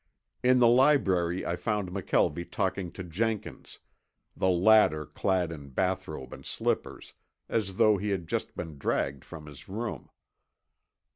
In the library I found McKelvie talking to Jenkins, the latter clad in bathrobe and slippers, as though he had just been dragged from his room.